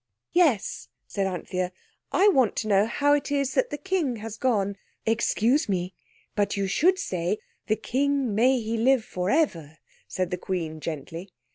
"Yes," said Anthea. "I want to know how it is that the King has gone—" "Excuse me, but you should say 'the King may he live for ever'," said the Queen gently.